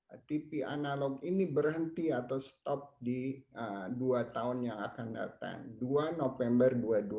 atipi analog ini berhenti atau stop di dua tahun yang akan datang dua november